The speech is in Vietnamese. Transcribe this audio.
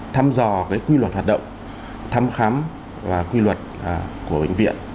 thăm dò quy luật hoạt động thăm khám và quy luật của bệnh viện